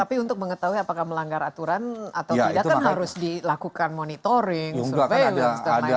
tapi untuk mengetahui apakah melanggar aturan atau tidak kan harus dilakukan monitoring surveillance dan lain sebagainya